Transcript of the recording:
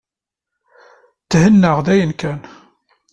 Thennaɣ dayen kan.